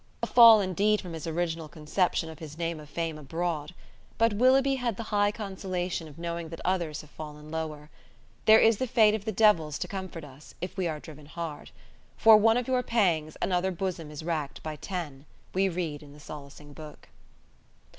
A fall indeed from his original conception of his name of fame abroad! But Willoughby had the high consolation of knowing that others have fallen lower. There is the fate of the devils to comfort us, if we are driven hard. "For one of your pangs another bosom is racked by ten", we read in the solacing Book.